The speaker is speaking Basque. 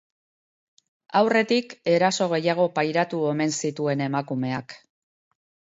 Aurretik eraso gehiago pairatu omen zituen emakumeak.